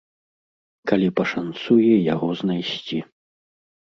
Калі пашанцуе яго знайсці.